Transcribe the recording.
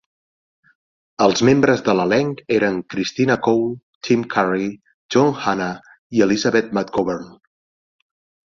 Els membres de l'elenc eren Christina Cole, Tim Curry, John Hannah i Elizabeth McGovern.